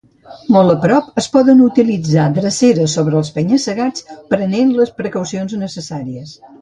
Molt a prop es poden utilitzar dreceres sobre els penya-segats prenent les precaucions necessàries.